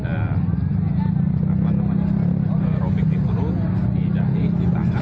ada luka kesukaan ada romik di turun di dahi di tangan